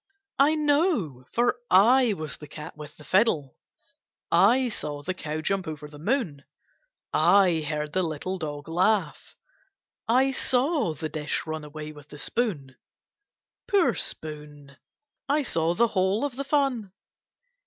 I know, for I was the cat with the fiddle. [ saw the cow jump over the moon. [ heard the little dog laugh. I saw the dish run away with the spoon. Poor spoon! I saw the whole of the fun.